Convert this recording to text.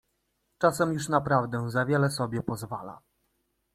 Czasem już naprawdę za wiele sobie pozwala.